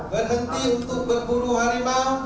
berhenti untuk berburu harimau